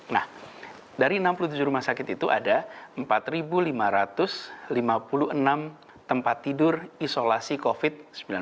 nah dari enam puluh tujuh rumah sakit itu ada empat lima ratus lima puluh enam tempat tidur isolasi covid sembilan belas